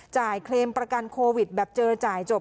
เคลมประกันโควิดแบบเจอจ่ายจบ